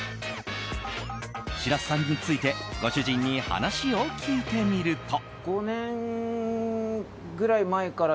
白洲さんについてご主人に話を聞いてみると。